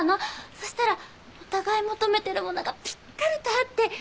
そしたらお互い求めてるものがぴったりと合って。